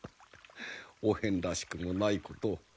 御辺らしくもないことを。